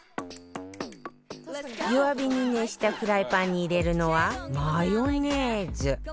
弱火に熱したフライパンに入れるのはマヨネーズ